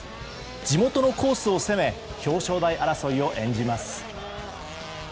地元のコースを攻め表彰台争いを演じます。